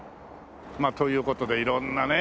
まあという事で色んなね。